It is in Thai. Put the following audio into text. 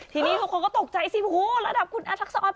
ทีนี้ทุกคนก็ตกใจสิโอ้โหระดับคุณแอทักษร